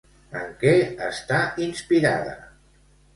En què està inspirada?